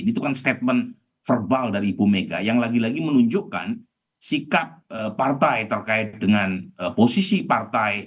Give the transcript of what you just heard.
itu kan statement verbal dari ibu mega yang lagi lagi menunjukkan sikap partai terkait dengan posisi partai